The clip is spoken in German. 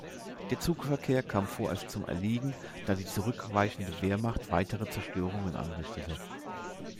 Der Zugverkehr kam vorerst zum Erliegen, da die zurückweichende Wehrmacht weitere Zerstörungen anrichtete.